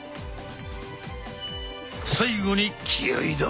最後に気合いだ！